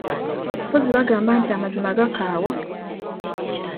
Mpozzi bagamba nti amazima gakaawa?